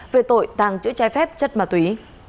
về tội tàng chữa chai phép chất mà tùy